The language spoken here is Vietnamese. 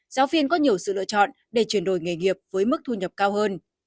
giáo viên có nhiều sự lựa chọn để chuyển đổi nghề nghiệp với mức thu nhập cao hơn